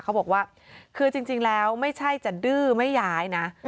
เขาบอกว่าคือจริงแล้วไม่ใช่จะดื้อไม่ย้ายนะ